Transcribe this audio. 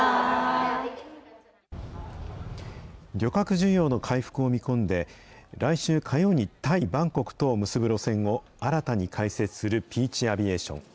旅客需要の回復を見込んで、来週火曜にタイ・バンコクとを結ぶ路線を新たに開設するピーチ・アビエーション。